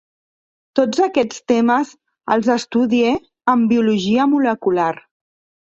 Tots aquests temes els estudie en Biologia molecular.